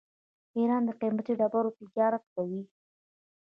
ایران د قیمتي ډبرو تجارت کوي.